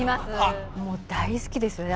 もう大好きですね。